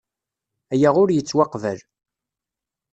Aya ur yettwaqbal.